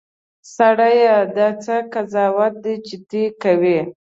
سړیه! دا څه قضاوت دی چې ته یې کوې.